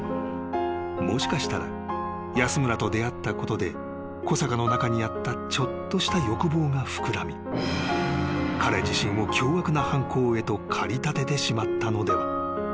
［もしかしたら安村と出会ったことで小坂の中にあったちょっとした欲望が膨らみ彼自身を凶悪な犯行へと駆り立ててしまったのでは？］